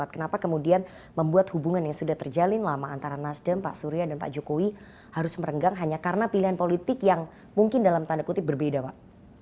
kenapa kemudian membuat hubungan yang sudah terjalin lama antara nasdem pak surya dan pak jokowi harus merenggang hanya karena pilihan politik yang mungkin dalam tanda kutip berbeda pak